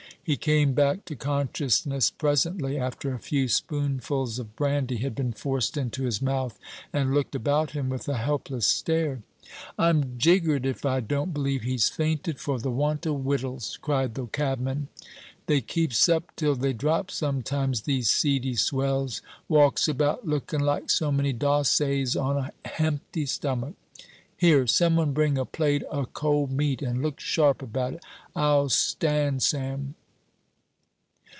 He came back to consciousness presently, after a few spoonfuls of brandy had been forced into his mouth, and looked about him with a helpless stare. "I'm jiggered if I don't believe he's fainted for the want of wittles!" cried the cabman. "They keeps up till they drop, sometimes, these seedy swells walks about, lookin' like so many Dossays, on a hempty stomach. Here, some one bring a plate o' cold meat, and look sharp about it. I'll stand sam."